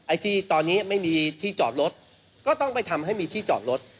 ไอ้ที่ตอนนี้ไม่มีที่จอดรถก็ต้องไปทำให้มีที่จอดรถ